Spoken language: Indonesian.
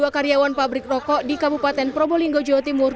dua puluh karyawan pabrik rokok di kabupaten probolinggo jawa timur